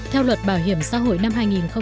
theo luật bảo hiểm xã hội năm hai nghìn một mươi